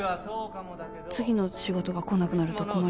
次の仕事が来なくなると困るので。